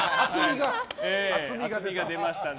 厚みが出ましたので。